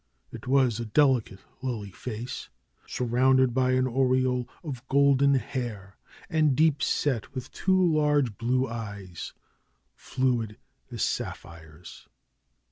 It was a deli cate lily face, surrounded by an aureole of golden hair, and deep set wdth two large blue eyes, fluid as sap phires.